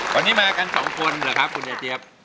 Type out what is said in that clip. วันนี้มากันสองคนเหรอครับคุณยายเจี๊ยบ